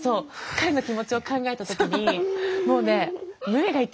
彼の気持ちを考えた時にもうね胸が痛いの。